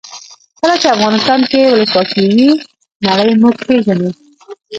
کله چې افغانستان کې ولسواکي وي نړۍ موږ پېژني.